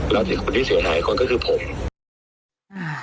และคนที่เสียงหายอีกก็คือผม